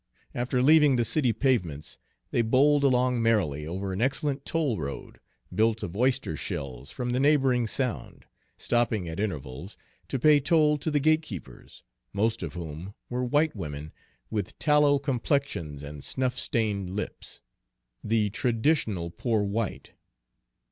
After leaving the city pavements, they bowled along merrily over an excellent toll road, built of oyster shells from the neighboring sound, stopping at intervals to pay toll to the gate keepers, most of whom were white women with tallow complexions and snuff stained lips, the traditional "poor white."